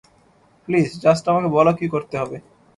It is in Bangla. প্লিজ, জাস্ট আমাকে বলো কী করতে হবে?